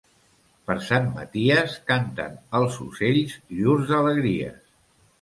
Per Sant Maties canten els ocells llurs alegries.